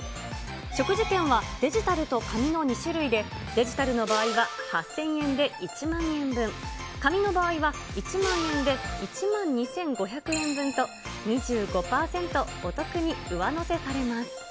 食事券はデジタルと紙の２種類で、デジタルの場合は、８０００円で１万円分、紙の場合は１万円で１万２５００円分と、２５％お得に上乗せされます。